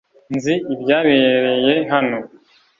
Nzi ibyabereye hano .